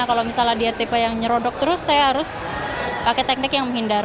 kalau misalnya dia tipe yang nyerodok terus saya harus pakai teknik yang menghindar